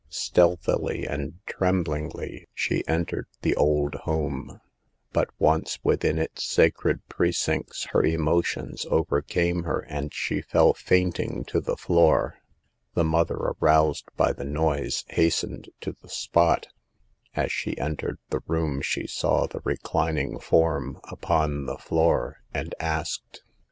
Stealthily and tremblingly she entered the old home, but once within its sacred pre cincts her emotions overcame her and she fell fainting to the floor. The mother, aroused by the noise, hastened to the spot As she en tered the room she saw the reclining form upon the floor, and asked : 118 SAVE THE GIKLS.